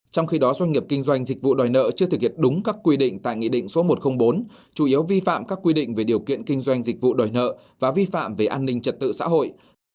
trong khi đó doanh nghiệp kinh doanh dịch vụ đòi nợ chưa thực hiện đúng các quy định tại nghị định số một trăm linh bốn chủ yếu vi phạm các quy định về điều kiện kinh doanh dịch vụ đòi nợ và vi phạm về an ninh trật tự xã hội